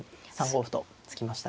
３五歩と突きましたね。